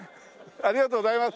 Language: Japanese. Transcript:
ありがとうございます。